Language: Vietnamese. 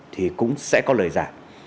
thì cũng sẽ có lời giả